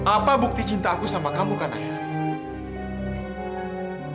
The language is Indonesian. apa bukti cinta aku sama kamu kan ayah